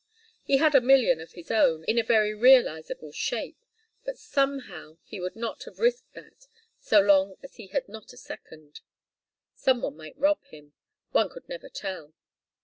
He had a million of his own, in a very realizable shape, but somehow he would not have risked that, so long as he had not a second. Some one might rob him one could never tell.